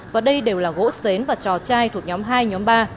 và đây đều là gỗ xến và trò chai thuộc nhóm hai nhóm ba